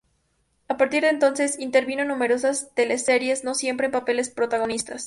A partir de entonces, intervino en numerosas teleseries, no siempre en papeles protagonistas.